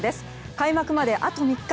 開幕まであと３日。